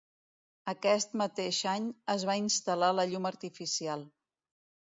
Aquest mateix any, es va instal·lar la llum artificial.